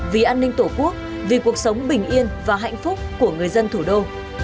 vì an ninh tổ quốc vì cuộc sống bình yên và hạnh phúc của người dân thủ đô